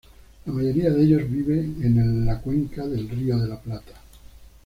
La mayoría de ellos vive en la cuenca del Río de la Plata.